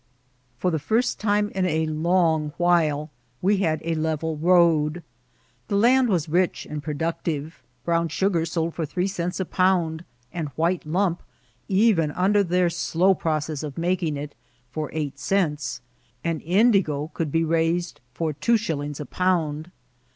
For die first time in a long while we had a leyel road. The land was rich and jvoductive ; brown sugar sold for three cents a pound, and white lump, eyen un der their slow process of making it, for eight centS) and indigo could be raised for two shillings a pound.